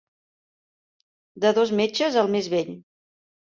De dos metges, el més vell.